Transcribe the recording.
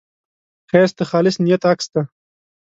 ښایست د خالص نیت عکس دی